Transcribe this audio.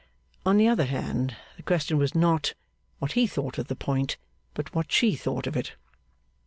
On the other hand, the question was, not what he thought of the point, but what she thought of it.